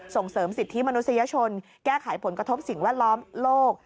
ส่งเสริมสิทธิมนุษยชนแก้ไขผลกระทบสิ่งแวดล้อมโลก